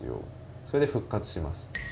それで復活します。